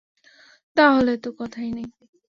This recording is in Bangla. তা হলে তো কথাই নেই!